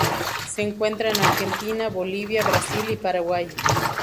Se encuentra en Argentina, Bolivia, Brasil y Paraguay.